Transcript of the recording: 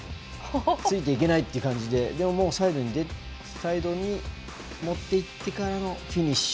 ついていけないって感じで、でもサイドに持っていってからのフィニッシュ